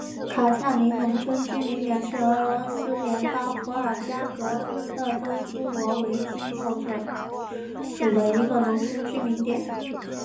卡恰林农村居民点是俄罗斯联邦伏尔加格勒州苏罗维基诺区所属的一个农村居民点。